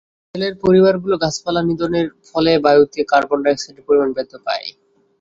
জেলে পরিবারগুলো গাছপালা নিধনের ফলে বায়ুতে কার্বন ডাই-অক্সাইডের পরিমাণ বৃদ্ধি পায়।